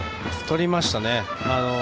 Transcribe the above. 取りましたね。